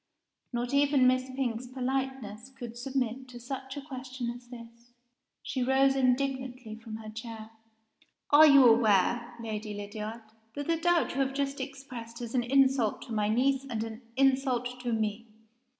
Not even Miss Pink's politeness could submit to such a question as this. She rose indignantly from her chair. "As you aware, Lady Lydiard, that the doubt you have just expressed is an insult to my niece, and a insult to Me?"